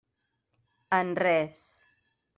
En res.